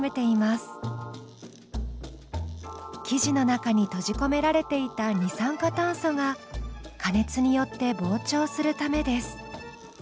生地の中に閉じ込められていた二酸化炭素が加熱によって膨張するためです。